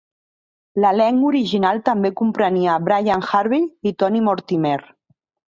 L'elenc original també comprenia Brian Harvey i Tony Mortimer.